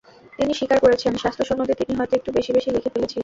তিনি স্বীকার করেছেন, স্বাস্থ্য সনদে তিনি হয়তো একটু বেশি বেশি লিখে ফেলেছিলেন।